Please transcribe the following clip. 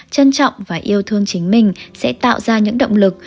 trân trọng và yêu thương chính mình sẽ tạo ra những động lực